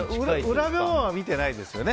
裏面は見てないですよね